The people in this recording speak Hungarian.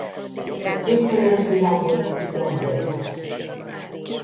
Kétszeres világbajnoki bronzérmes.